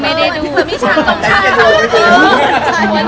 ไม่ได้ถามค่ะไม่ได้ถามค่ะ